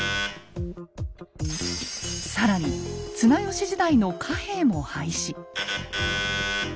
更に綱吉時代の貨幣も廃止。